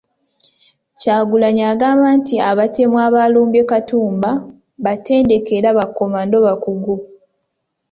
Kyagulanyi agamba nti abatemu abalumbye Katumba batendeke era bakomando bakugu .